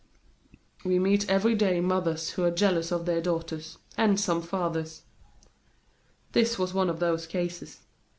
We meet every day mothers who are jealous of their daughters, and some fathers! This was one of those cases.